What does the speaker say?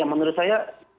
ya menurut saya